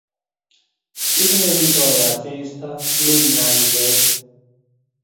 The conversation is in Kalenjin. Ingwengtoi asista, luu nyanjet